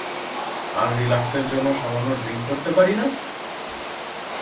আর রিলাক্সের জন্য সামান্য ড্রিংক করতে পারি না?